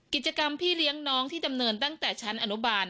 กิจกรรมพี่เลี้ยงน้องที่ดำเนินตั้งแต่ชั้นอนุบาล